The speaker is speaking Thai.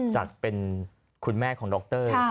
จากเป็นคุณแม่ของดร